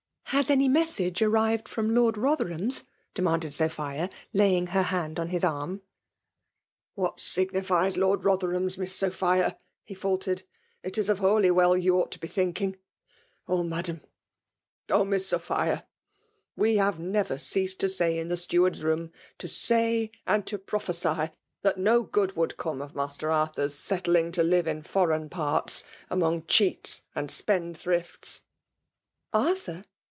" Has any message arrived from Lord Biytherliam*s f " demanded Sophia, laying her hand on his arm. 224 FEMALE DOMINATION. ''What signifies Lord Rothcrliam*s^ Miss Sophia ?•• he faltered. *' It is of HolyweU you ought to be thinking. Oh! Madam — Oh! Miss Sophia. We have never ceased to say in the steward's room — to say and to prophecy — that no good would come of Master Arthur's settling to live in foreign parts> among cheats and spendthrifts.'* " Arthur